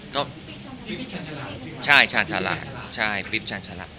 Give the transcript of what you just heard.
ก็ปริ๊บชาญชาละใช่ชาญชาละใช่ปริ๊บชาญชาละ